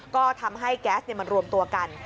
ก็ทำให้แก๊สมันรวมตัวกัน